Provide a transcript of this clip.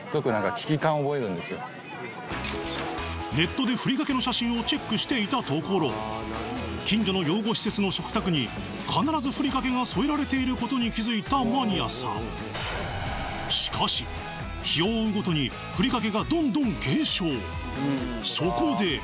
ネットでふりかけの写真をチェックしていたところ近所の養護施設の食卓に必ずふりかけが添えられていることに気づいたマニアさんしかしそこでっていう話はしました